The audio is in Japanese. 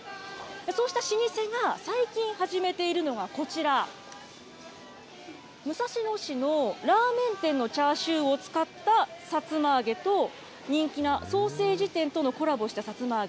そうした老舗が最近始めているのがこちら、武蔵野市のラーメン店のチャーシューを使ったさつま揚げと、人気なソーセージ店とコラボしたさつま揚げ。